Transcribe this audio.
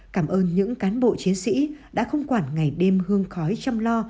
cảm ơn những cán bộ chiến sĩ đã không quản ngày đêm hương khói chăm lo